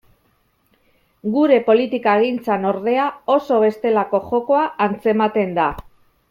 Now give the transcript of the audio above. Gure politikagintzan, ordea, oso bestelako jokoa antzematen da.